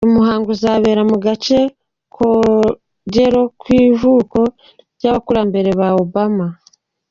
Uyu muhango uzabera mu gace Kogelo ku ivuko ry’abakurambere ba Obama.